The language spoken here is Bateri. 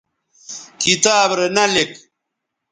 کتاب رے نہ لِک